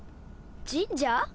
神社？